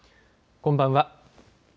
こんばんは。